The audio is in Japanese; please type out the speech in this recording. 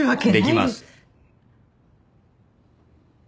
できます。